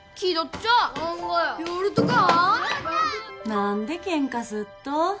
何でケンカすっと？